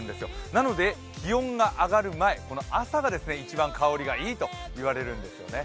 なので気温が上がる前、朝が一番香りがいいと言われるんですよね。